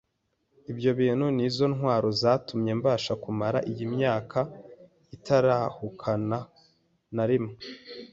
Ibyo bintu nizo ntwaro zatumye mbasha kumara iyi myaka atarahukana na rimwe.